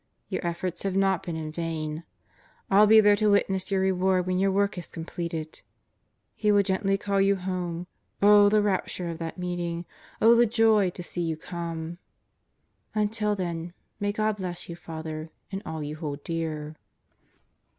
Your efforts have not been in vain. I'll be there to witness your reward when your work is completed. "He will gently call you home. Oh, the rapture of that meeting. Oh, the joy to see you cornel" Until then, may God bless you, Father, and all you hold dear.